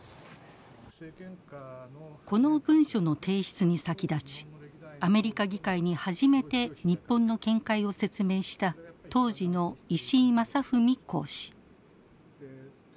この文書の提出に先立ちアメリカ議会に初めて日本の見解を説明した当時の石井正文公使。